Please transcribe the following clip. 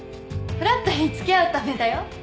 フラットにつきあうためだよ。